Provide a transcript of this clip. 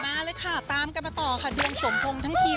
มาเลยค่ะตามกันมาต่อค่ะดวงสมพงษ์ทั้งทีม